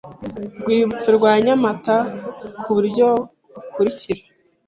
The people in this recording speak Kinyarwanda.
rwibutso rwa Nyamata ku buryo bukurikira